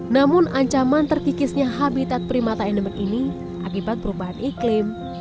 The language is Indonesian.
namun ancaman terkikisnya habitat primata endemik ini akibat perubahan iklim